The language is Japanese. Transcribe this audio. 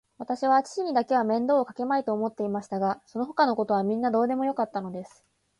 わたしは父にだけは面倒をかけまいと思っていましたが、そのほかのことはみんなどうでもよかったのです。